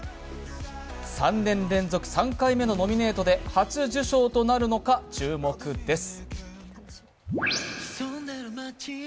３年連続３回目のノミネートで初受賞となるのか注目です。